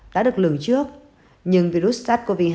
đã được lường trước nhưng virus sars cov hai